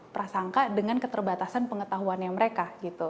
prasangka dengan keterbatasan pengetahuannya mereka gitu